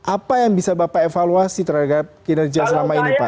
apa yang bisa bapak evaluasi terhadap kinerja selama ini pak